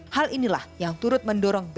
hal inilah yang turut mendorongnya